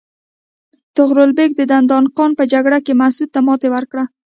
طغرل بیګ د دندان قان په جګړه کې مسعود ته ماتې ورکړه.